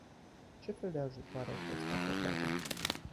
Ce fel de ajutoare au fost acordate?